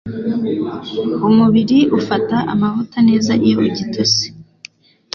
Umubiri ufata amavuta neza iyo ugitose.